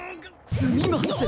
すみません！